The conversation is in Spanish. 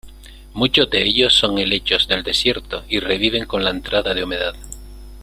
Muchos de ellos son helechos del desierto y reviven con la entrada de humedad.